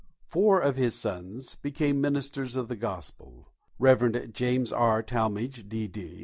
Four of his sons became ministers of the Gospel: Reverend James R. Talmage, D.D.